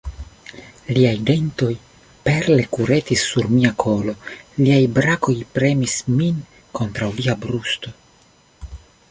Liaj dentoj perle kuretis sur mia kolo, liaj brakoj premis min kontraŭ lia brusto.